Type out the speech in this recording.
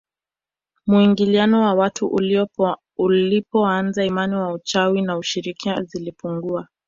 Muingiliano wa watu ulipoanza imani ya uchawi na ushirikina zilipungua